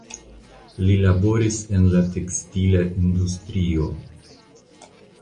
Li laboris en la tekstila industrio.